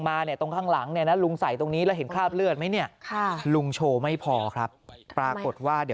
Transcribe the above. แล้วนอกจากนี้ไปเอาเสื้อมาด้วยเดี๋ยวลองดูสิฮะทีมงาน